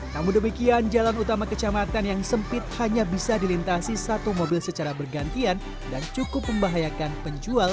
namun demikian jalan utama kecamatan yang sempit hanya bisa dilintasi satu mobil secara bergantian dan cukup membahayakan penjual